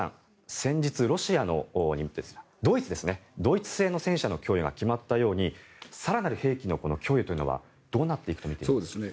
先日、ドイツ製の戦車の供与が決まったように更なる兵器の供与というのはどうなっていくとみていいですか。